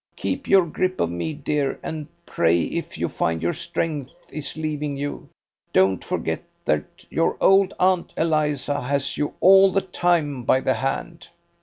Keep your grip of me, dear, and pray if you find your strength is leaving you. Don't forget that your old aunt Eliza has you all the time by the hand."